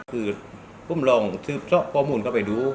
คือคุ้มลองซื้อเจ้าข้อมูลเข้าไปดู